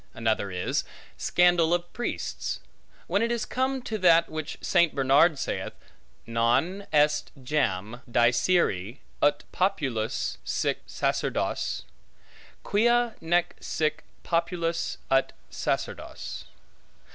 Another is, scandal of priests; when it is come to that which St. Bernard saith, non est jam dicere, ut populus sic sacerdos; quia nec sic populus ut sacerdos.